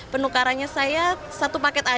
penukarannya saya satu paket aja tiga delapan